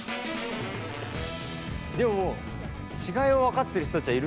でももう違いを分かってる人たちはいるのかな。